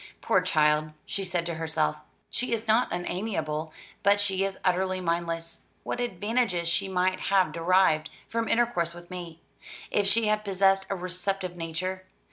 "Poor child," she said to herself, "she is not unamiable, but she is utterly mindless. What advantages she might have derived from intercourse with me, if she had possessed a receptive nature!